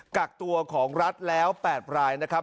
กักตัวของรัฐแล้ว๘รายนะครับ